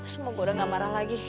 semoga gue udah gak marah lagi